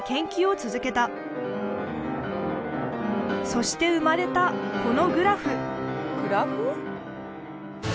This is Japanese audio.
そして生まれたこのグラフグラフ？